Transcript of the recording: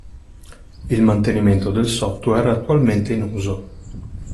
Il mantenimento del software attualmente in uso.